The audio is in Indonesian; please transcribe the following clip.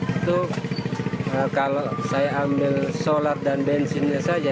itu kalau saya ambil solar dan bensinnya saja